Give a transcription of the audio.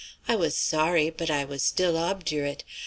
I was sorry, but I was still obdurate.